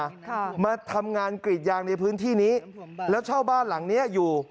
ค่ะมาทำงานกรีดยางในพื้นที่นี้แล้วเช่าบ้านหลังเนี้ยอยู่